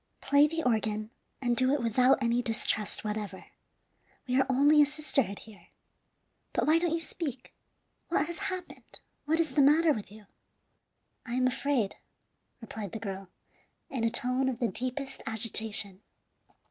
Play the organ, and do it without any distrust whatever. We are only a sisterhood here. But why don't you speak? What has happened? What is the matter with you?" "I am afraid," replied the girl, in a tone of the deepest agitation.